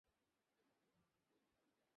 কেউ আমার মেয়েকে বাঁচান।